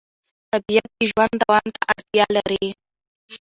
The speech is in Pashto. طبیعت د ژوند دوام ته اړتیا لري